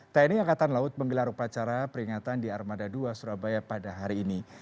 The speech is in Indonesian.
tni angkatan laut menggelar upacara peringatan di armada dua surabaya pada hari ini